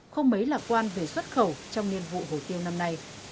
có quan về xuất khẩu trong nhiệm vụ hồ tiêu năm nay